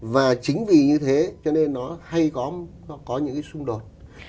và chính vì như thế cho nên nó hay có những cái xung đột